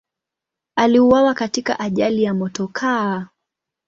Aliuawa katika ajali ya motokaa.